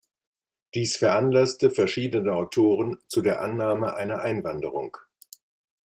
Dies veranlasste verschiedene Autoren zu der Annahme einer Einwanderung.